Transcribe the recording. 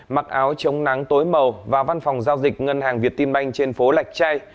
mặc áo chống nắng tối màu và văn phòng giao dịch ngân hàng việt tim banh trên phố lạch chay